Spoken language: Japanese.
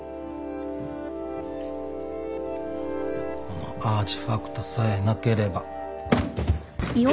このアーチファクトさえなければ。